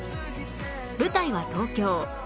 舞台は東京